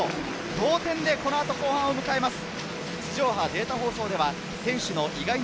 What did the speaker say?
同点でこのあと後半を迎えます。